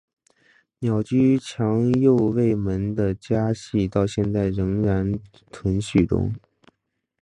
鸟居强右卫门的家系到现在仍然存续中。